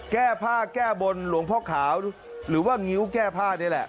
แก้ผ้าแก้บนหลวงพ่อขาวหรือว่างิ้วแก้ผ้านี่แหละ